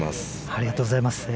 ありがとうございます。